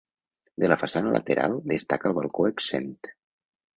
De la façana lateral destaca el balcó exempt.